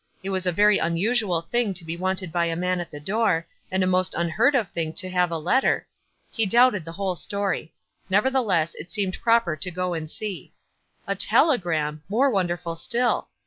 It was a very unusual thing to be wanted by a man at the door, and a most unheard of thing to have a letter. He doubted the whole story. Nevertheless, it seemed prop er to go and see. A telegram ! More wonder ful still.